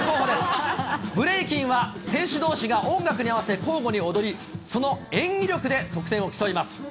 ブレイキンは選手どうしが音楽に合わせ交互に踊り、その演技力で得点を競います。